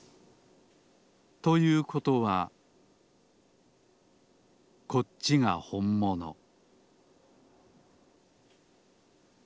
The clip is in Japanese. ということはこっちがほんもの